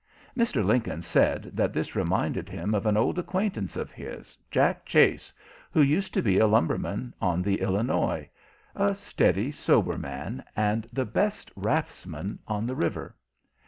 Mr. Lincoln said that this reminded him of an old acquaintance of his, "Jack Chase," who used to be a lumberman on the Illinois, a steady, sober man, and the best raftsman on the river.